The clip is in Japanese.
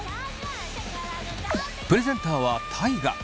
プレゼンターは大我。